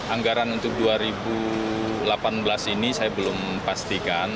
anggaran untuk dua ribu delapan belas ini saya belum pastikan